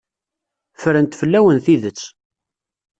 Ffrent fell-awen tidet.